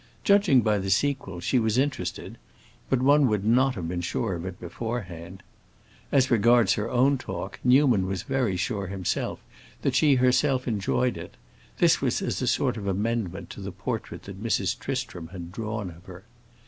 Judging by the sequel she was interested, but one would not have been sure of it beforehand. As regards her own talk, Newman was very sure himself that she herself enjoyed it: this was as a sort of amendment to the portrait that Mrs. Tristram had drawn of her.